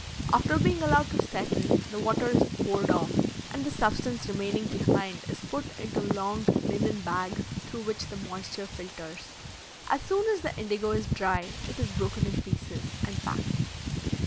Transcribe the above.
After being allowed to settle, the water is poured off, and the substance remaining behind is put into long linen bags through which the moisture filters. As soon as the indigo is dry, it is broken in pieces and packed.